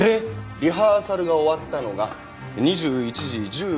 リハーサルが終わったのが２１時１５分。